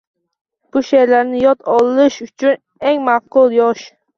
Bu sheʼrlarni yod olish uchun eng maʼqul yosh.